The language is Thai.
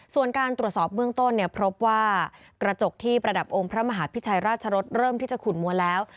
ส่วนการตรวจสอบเบื้องต้นเนี่ยพบว่ากระจกที่ประดับองค์พระมหาพิชัยราชรสเริ่มที่จะขุนมวลแล้ว